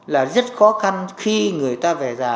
là rất khó khăn khi người ta về già